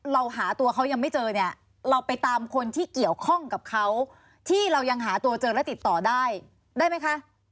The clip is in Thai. เราหาตัวเขายังไม่เจอเนี่ยเราไปตามคนที่เกี่ยวข้องกับเขาที่เรายังหาตัวเจอและติดต่อได้ได้ไหมคะ